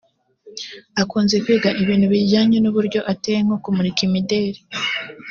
Akunze kwiga ibintu bijyanye n’uburyo ateye nko kumurika imideli